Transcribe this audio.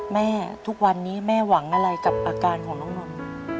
ทุกวันนี้แม่หวังอะไรกับอาการของน้องนนท์